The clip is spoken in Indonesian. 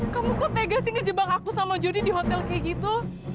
kamu kok tega sih ngejebak aku sama jody di hotel kayak gitu